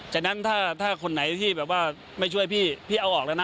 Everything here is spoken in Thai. ฉะนั้นถ้าคนไหนที่แบบว่าไม่ช่วยพี่พี่เอาออกแล้วนะ